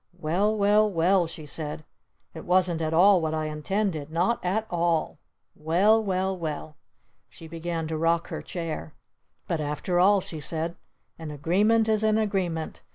"Well well well," she said. "It wasn't at all what I intended! Not at all! Well well well!" She began to rock her chair. "But after all," she said, "an agreement is an agreement!